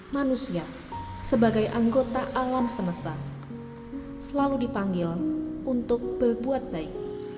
manusia sebagai anggota alam semesta selalu dipanggil untuk berbuat baik